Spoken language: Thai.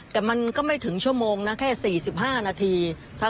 แต่มันก็ไม่ถึงชั่วโมงนะแค่๔๕นาที